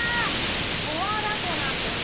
十和田湖なんです。